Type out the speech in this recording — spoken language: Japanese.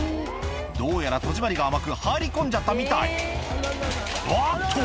どうやら戸締まりが甘く入り込んじゃったみたいあっと！